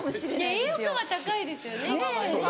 栄養価は高いですよねきっとね。